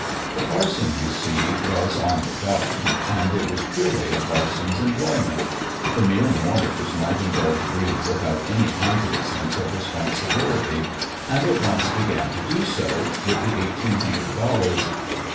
The parson, you see, was " on the job," and it was purely a parson's em ployment ; the mere mourners might indulge grief without any haunting sense of responsibility, and at once began to do so, with the eighteen hundred dollars.